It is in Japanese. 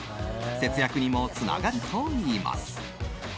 節約にもつながるといいます。